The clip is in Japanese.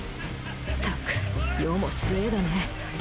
ったく世も末だね